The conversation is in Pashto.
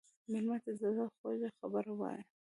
مېلمه ته د زړه خوږه خبره وایه.